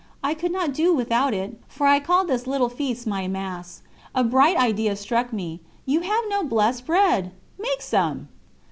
I could not do without it, for I called this little feast my Mass. A bright idea struck me: "You have no blessed bread! make some."